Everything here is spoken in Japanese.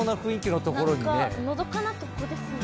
のどかなとこですね。